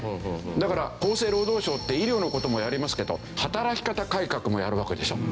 だから厚生労働省って医療の事もやりますけど働き方改革もやるわけでしょ。